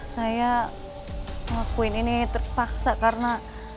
saya ngakuin ini terpaksa karena